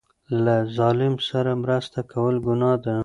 له ظالم سره مرسته کول ګناه ده.